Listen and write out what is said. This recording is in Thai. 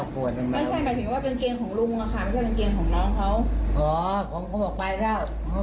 นั่นใช่หมายถึงว่าเกงเกงของลุงไม่ใช่เกงเกงของน้องเขา